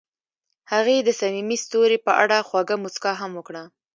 هغې د صمیمي ستوري په اړه خوږه موسکا هم وکړه.